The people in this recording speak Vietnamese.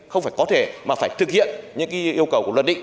không phải có thể mà phải thực hiện những yêu cầu của luật định